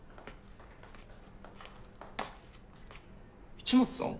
市松さん？